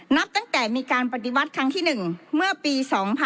นับตั้งแต่มีการปฏิวัติครั้งที่๑เมื่อปี๒๕๕๙